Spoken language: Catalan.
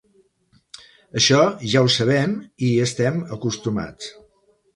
Això ja ho sabem, i hi estem acostumats.